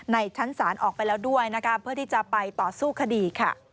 ในชั้นศาลออกไปแล้วด้วยเพื่อที่จะไปต่อสู้คดี